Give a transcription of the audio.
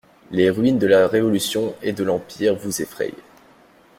Les ruines de la Révolution et de l'Empire vous effrayent.